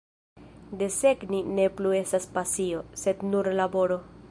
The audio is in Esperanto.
Desegni ne plu estas pasio, sed nur laboro.